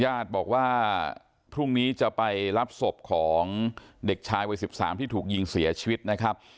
ญาติบอกว่าพรุ่งนี้จะไปรับศพของเด็กชายวัย๑๓ที่ถูกยิงเสียชีวิตนะครับ